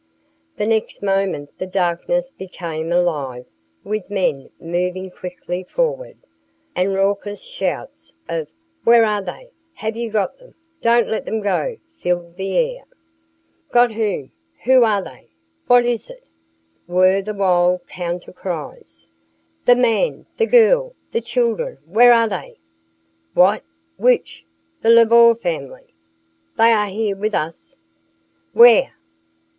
The next moment the darkness became alive with men moving quickly forward, and raucous shouts of "Where are they?" "Have you got them?" "Don't let them go!" filled the air. "Got whom?" "Who are they?" "What is it?" were the wild counter cries. "The man! The girl! The children! Where are they?" "What? Which? The Lebeau family? They are here with us." "Where?"